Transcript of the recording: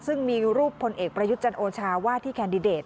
ซึ่งมีรูปพลเอกประยุทธ์จันโอชาว่าที่แคนดิเดต